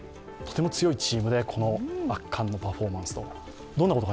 とても強いチームでこの圧巻のパフォーマンスでした。